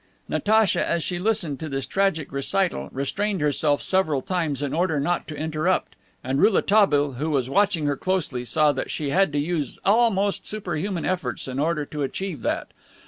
Natacha, as she listened to this tragic recital, restrained herself several times in order not to interrupt, and Rouletabille, who was watching her closely, saw that she had to use almost superhuman efforts in order to achieve that.